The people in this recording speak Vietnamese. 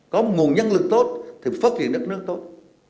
có nguồn nhân lực tốt thì phát triển đất nước tốt